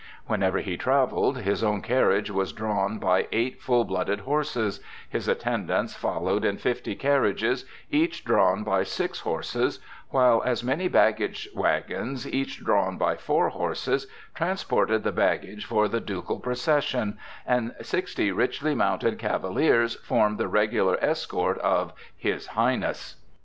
Whenever he travelled, his own carriage was drawn by eight full blooded horses; his attendants followed in fifty carriages, each drawn by six horses, while as many baggage wagons, each drawn by four horses, transported the baggage for the ducal procession, and sixty richly mounted cavaliers formed the regular escort of "His Highness."